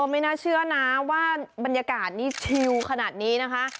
ไม่น่าเชื่อนะว่าบรรยากาศนี้ชิลขนาดนี้นะคะ